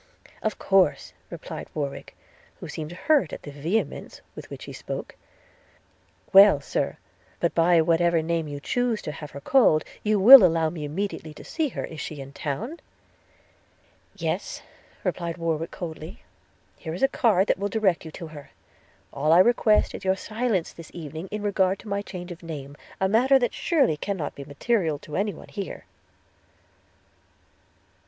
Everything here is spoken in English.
– 'Of course,' replied Warwick, who seemed hurt at the vehemence with which he spoke. – 'Well, Sir; but by whatever name you choose to have her called, you will allow me immediately to see her – Is she in town?' 'Yes,' replied Warwick coldly; 'here is a card that will direct you to her – All I request is your silence this evening in regard to my change of name; a matter that surely cannot be material to any one here.'